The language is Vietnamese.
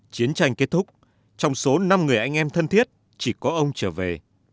chiến tranh kết thúc trong số năm người anh em thân thiết chỉ có ông trở về